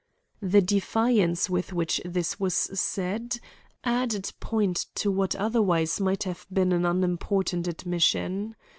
The defiance with which this was said added point to what otherwise might have been an unimportant admission.